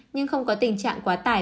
nhưng không có tình trạng quá tải